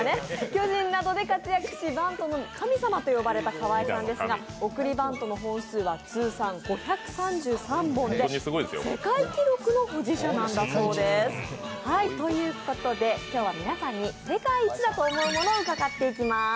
巨人などで活躍し、バントの神様と言われた川相さんですが、送りバントの本数は通算５３３本で世界記録の保持者なんだそうです。ということで、今日は皆さんに世界一だと思うものを伺っていきます。